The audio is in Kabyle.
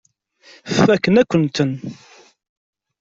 Fakken-akent-tent.